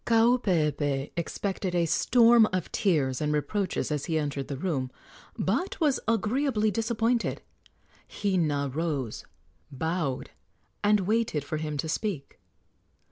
Kaupeepee expected a storm of tears and reproaches as he entered the room, but was agreeably disappointed. Hina rose, bowed, and waited for him to speak.